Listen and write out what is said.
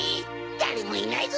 だれもいないぞ！